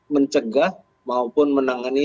mencegah maupun menangani